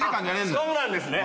そうなんですね。